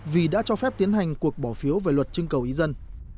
vì đã cho phép tiến hành cuộc bỏ phiếu về luật chương cầu ý dân